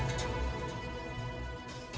kasian tahu keatna